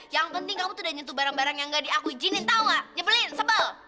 yang penting kamu tuh udah nyentuh barang barang yang gak diakui jinin tau gak nyebelin sebel